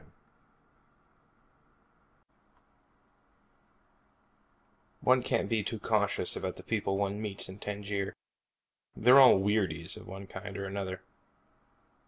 net _One can't be too cautious about the people one meets in Tangier. They're all weirdies of one kind or another.